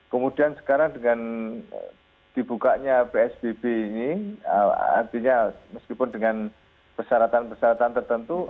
kemudian sekarang dengan dibukanya psbb ini artinya meskipun dengan persyaratan persyaratan tertentu